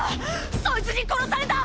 そいつに殺された！